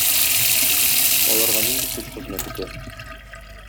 Аларга нинди көч хезмәт итә?